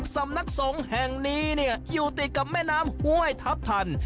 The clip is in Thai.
สำนักสงฆ์แห่งนี้เนี่ยอยู่ติดกับแม่น้ำห้วยทัพทัน